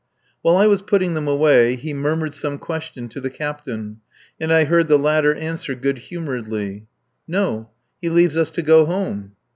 While I was putting them away he murmured some question to the Captain, and I heard the latter answer good humouredly: "No. He leaves us to go home."